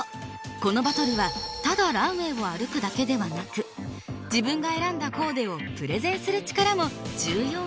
このバトルはただランウェイを歩くだけではなく自分が選んだコーデをプレゼンする力も重要なポイント。